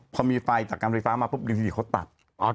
พอมีไฟจากการไฟฟ้ามาปุ๊บดินสดีเขาตัด